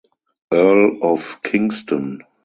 Earl of Kingston.